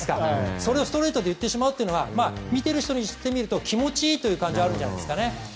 それをストレートに言ってしまうというのは見ている人にしてみると気持ちいいという感じがあるんじゃないですかね。